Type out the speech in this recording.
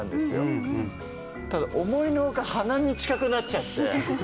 ただ思いの外鼻に近くなっちゃって。